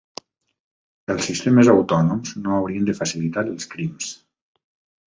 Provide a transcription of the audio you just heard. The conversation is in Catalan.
Els sistemes autònoms no haurien de facilitar els crims.